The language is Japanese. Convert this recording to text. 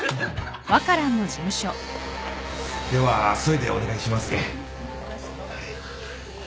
ではそいでお願いしますけん。